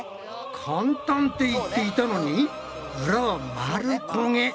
簡単って言っていたのに裏は丸焦げ。